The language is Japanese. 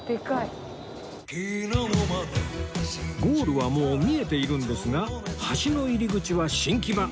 ゴールはもう見えているんですが橋の入り口は新木場